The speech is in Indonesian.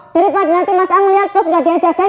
daripada nanti mas am melihat pos gak diajakin